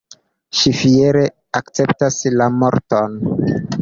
Ŝi fiere akceptas la morton.